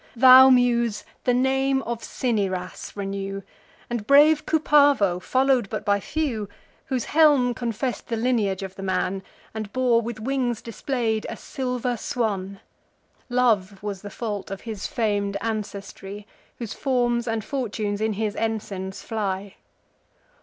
Thou, Muse, the name of Cinyras renew, And brave Cupavo follow'd but by few; Whose helm confess'd the lineage of the man, And bore, with wings display'd, a silver swan. Love was the fault of his fam'd ancestry, Whose forms and fortunes in his ensigns fly.